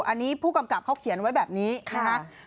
อันนี้ผู้กำกับเขาเขียนไว้แบบนี้นะคะ